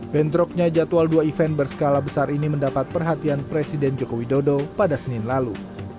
bentroknya jadwal dua event berskala besar ini mendapat perhatian presiden joko widodo pada senin lalu